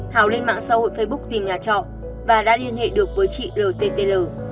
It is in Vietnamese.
hào lên mạng xã hội facebook tìm nhà trọ và đã liên hệ được với chị rtl